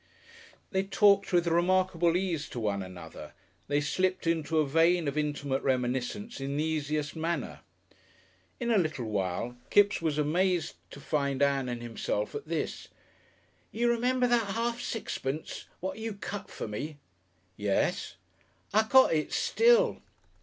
They talked with remarkable ease to one another, they slipped into a vein of intimate reminiscence in the easiest manner. In a little while Kipps was amazed to find Ann and himself at this: "You r'ember that half sixpence? What you cut for me?" "Yes." "I got it still."